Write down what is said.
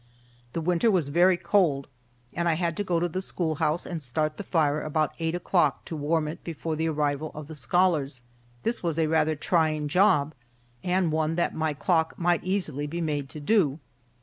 The winter was very cold, and I had to go to the schoolhouse and start the fire about eight o'clock to warm it before the arrival of the scholars. This was a rather trying job, and one that my clock might easily be made to do.